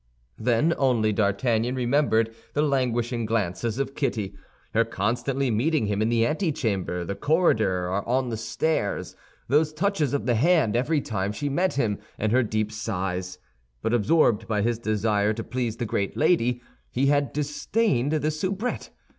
Then only D'Artagnan remembered the languishing glances of Kitty, her constantly meeting him in the antechamber, the corridor, or on the stairs, those touches of the hand every time she met him, and her deep sighs; but absorbed by his desire to please the great lady, he had disdained the soubrette.